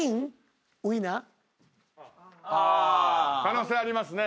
あ可能性ありますね。